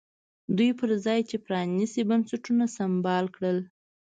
دوی پر ځای یې پرانیستي بنسټونه سمبال کړل.